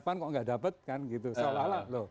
pak kok nggak dapat kan soalnya